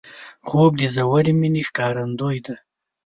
خوب د ژورې مینې ښکارندوی دی